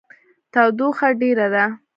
تودوخه ډیره ده